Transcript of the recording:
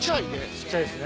小っちゃいですね。